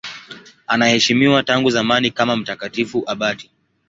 Anaheshimiwa tangu zamani kama mtakatifu abati.